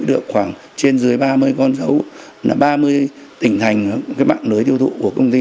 để thu lợi